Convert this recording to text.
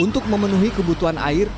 untuk memenuhi kebutuhan air